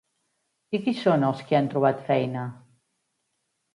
I qui són els qui han trobat feina?